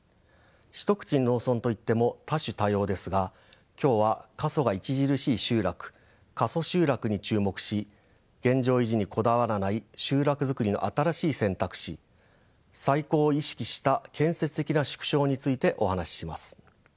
一口に農村といっても多種多様ですが今日は過疎が著しい集落過疎集落に注目し現状維持にこだわらない集落づくりの新しい選択肢再興を意識した建設的な縮小についてお話しします。